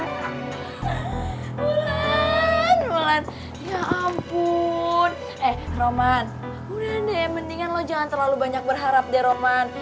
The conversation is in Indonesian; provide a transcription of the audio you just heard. banget ya ampun eh roman udah deh mendingan lo jangan terlalu banyak berharap deh roman